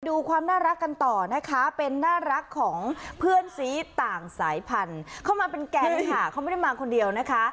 ดูความน่ารักกันต่อนะคะเป็นน่ารักของเพื่อนสีต่างสายพันธุ์เข้ามาเป็นแก๊งค่ะเขาไม่ได้มาคนเดียวนะคะ